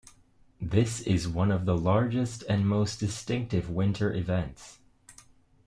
This is one of the largest and most distinctive winter events.